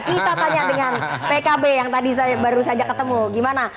kita tanya dengan pkb yang tadi baru saja ketemu gimana